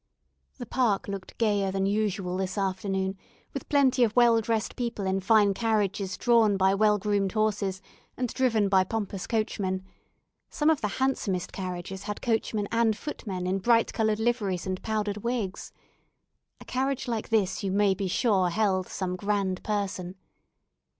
The park looked gayer than usual this afternoon, with plenty of well dressed people in fine carriages drawn by well groomed horses and driven by pompous coachmen; some of the handsomest carriages had coachmen and footmen in bright coloured liveries and powdered wigs. A carriage like this you may be sure held some grand person.